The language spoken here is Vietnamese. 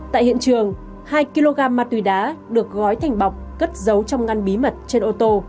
tại hiện trường hai kg ma túy đá được gói thành bọc cất giấu trong ngăn bí mật trên ô tô